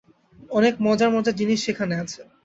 অনেক মজার মজার জিনিস সেখানে আছে।